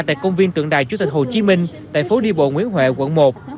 tại công viên tượng đài chủ tịch hồ chí minh tại phố đi bộ nguyễn huệ quận một